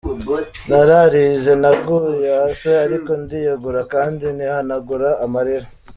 Nararize, naguye hasi ariko ndiyegura kandi nihanagura amarira.